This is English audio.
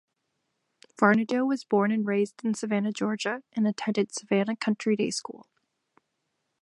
Varnedoe was born and raised in Savannah, Georgia, and attended Savannah Country Day School.